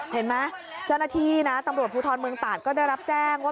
เห็นไหมเจ้าหน้าที่นะตำรวจภูทรเมืองตาดก็ได้รับแจ้งว่า